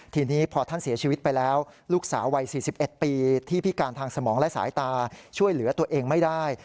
ทีนี้พอท่านเสียชีวิตไปแล้วลูกสาววัย๔๑ปีที่พิการทางสมองและสายตาช่วยเหลือตัวเองไม่ได้